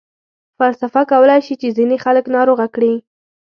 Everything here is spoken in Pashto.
فلسفه کولای شي چې ځینې خلک ناروغه کړي.